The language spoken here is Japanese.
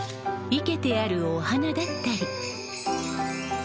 生けてあるお花だったり。